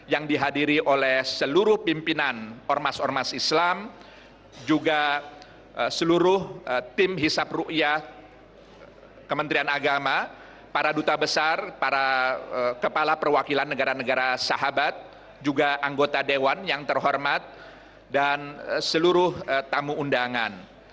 yang dihadiri oleh seluruh pimpinan ormas ormas islam juga seluruh tim hisap rukyah kementerian agama para duta besar para kepala perwakilan negara negara sahabat juga anggota dewan yang terhormat dan seluruh tamu undangan